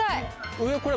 上これ。